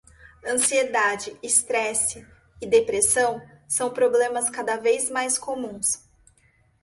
Ansiedade, estresse e depressão são problemas cada vez mais comuns